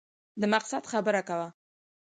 د مقصد خبره کوه !